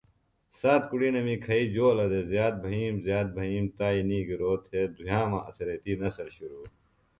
سات کُڑینمی کھئیۡ جولہ دےۡ زیات بھئیِم زیات بھئیِم تائی نِگرو تھےۡ دھُیامہ اڅھریتی نسل شروۡ